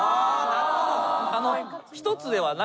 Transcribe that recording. なるほど。